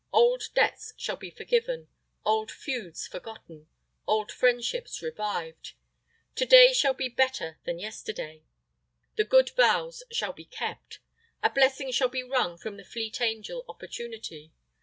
Old debts shall be forgiven; old feuds forgotten; old friendships revived. To day shall be better than yesterday. The good vows shall be kept. A blessing shall be wrung from the fleet angel Opportunity.